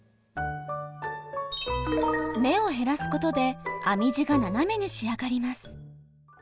目を減らすことで編み地が斜めに仕上がります。